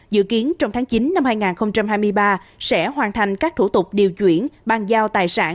dự kiến trong tháng chín năm hai nghìn hai mươi ba sẽ hoàn thành các thủ tục điều chuyển bàn giao tài sản